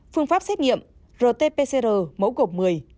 phương pháp xét nghiệm rt pcr mẫu gộp một mươi